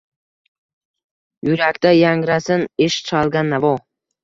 Yurakda yangrasin ishq chalgan navo.